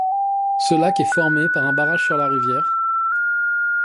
Ce lac est formé par un barrage sur la rivière.